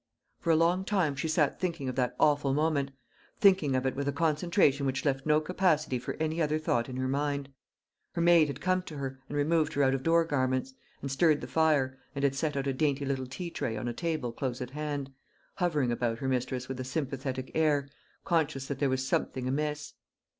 For a long time she sat thinking of that awful moment thinking of it with a concentration which left no capacity for any other thought in her mind. Her maid had come to her, and removed her out of door garments, and stirred the fire, and had set out a dainty little tea tray on a table close at hand, hovering about her mistress with a sympathetic air, conscious that there was something amiss.